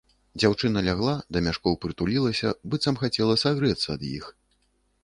Дзяўчына лягла, да мяшкоў прытулілася, быццам хацела сагрэцца ад іх.